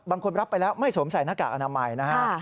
บางคนรับไปแล้วไม่สวมใส่หน้ากากอนามัยนะครับ